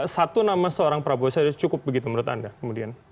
satu nama seorang prabowo serius cukup begitu menurut anda kemudian